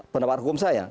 pendapat hukum saya